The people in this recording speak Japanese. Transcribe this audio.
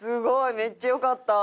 めっちゃよかった！